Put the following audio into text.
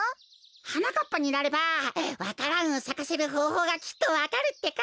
はなかっぱになればわか蘭をさかせるほうほうがきっとわかるってか。